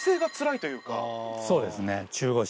そうですね。